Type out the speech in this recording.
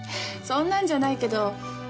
そんなんじゃないけど。